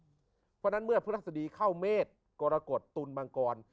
เพราะฉะนั้นเมื่อพฤหัสดีเข้าเมษกรกฎตุลมังกร